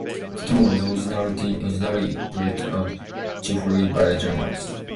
The town was originally built up chiefly by Germans.